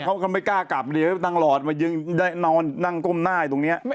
เขาก็ไม่กล้ากลับเรียนก็นั่งหลอดมายืนนอนนั่งก้มหน้าอยู่ตรงนี้